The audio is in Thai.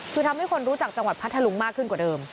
คือทำให้คนรู้จักจังหวัดพัทธลุงมากขึ้นกว่าเดิม